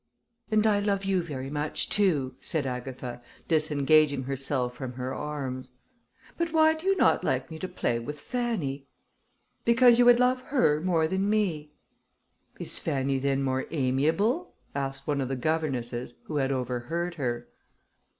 "And I love you very much too," said Agatha, disengaging herself from her arms. "But why do you not like me to play with Fanny?" "Because you would love her more than me." "Is Fanny then more amiable?" asked one of the governesses, who had overheard her.